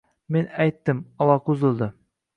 Men aytdim, aloqa uzildi